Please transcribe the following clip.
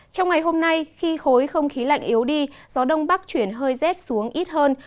trong ngày hôm nay khi khối không khí lạnh yếu đi gió đông bắc chuyển hơi rét xuống ít hơn